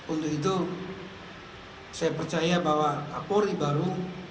untuk itu saya percaya bahwa kak polri baru